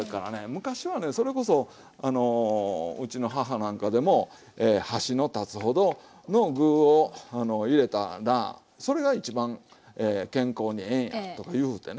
昔はねそれこそうちの母なんかでも箸の立つほどの具を入れたらそれが一番健康にええんやとか言うてね